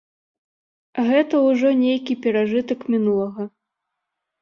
Гэта ўжо нейкі перажытак мінулага.